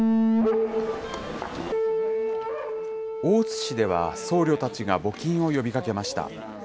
大津市では、僧侶たちが募金を呼びかけました。